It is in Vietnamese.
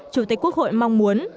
chủ tịch quốc hội mong muốn